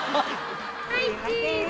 はいチーズ。